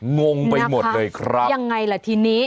งงไปหมดเลยครับยังไงล่ะทีนี้